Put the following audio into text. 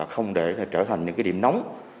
không để trở thành những điểm nóng